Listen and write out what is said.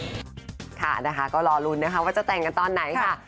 ดีอยู่ตอนนี้ค่ะนะคะก็รอลุ้นนะคะว่าจะแต่งกันตอนไหนค่ะ